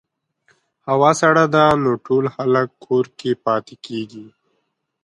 هوا سړه ده، نو ټول خلک کور کې پاتې کېږي.